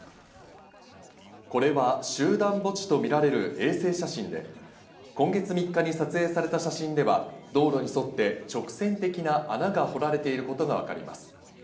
これは集団墓地とみられる衛星写真で、今月３日に撮影された写真では道路に沿って直線的なパターンが掘られていることがわかります。